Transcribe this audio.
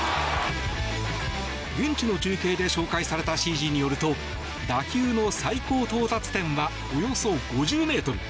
現地の中継で紹介されたＣＧによると打球の最高到達点はおよそ５０ｍ。